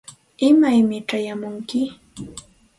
¿imaymi chayamunki?